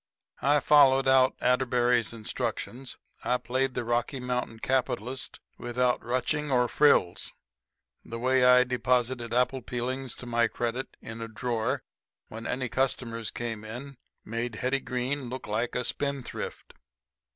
I followed out Atterbury's instructions. I played the Rocky Mountain capitalist without ruching or frills. The way I deposited apple peelings to my credit in a drawer when any customers came in made Hetty Green look like a spendthrift.